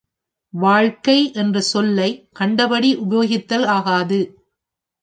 வாழ்க்கை என்ற சொல்லைக் கண்டபடி உபயோகித்தல் ஆகாது.